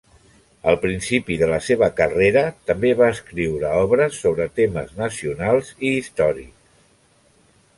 Al principi de la seva carrera també va escriure obres sobre temes nacionals i històrics.